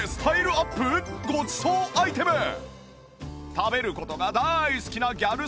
食べる事が大好きなギャル曽根さん